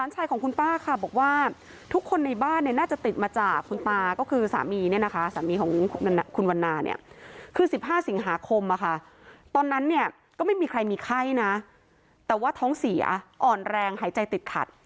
ตอนนั้นเนี่ยก็ไม่มีใครมีไข้นะแต่ว่าท้องเสียอ่อนแรงหายใจติดขัด